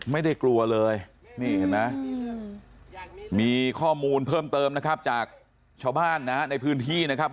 ไม่ได้กลัวเลยนี่เห็นไหมมีข้อมูลเพิ่มเติมนะครับจากชาวบ้านนะในพื้นที่นะครับ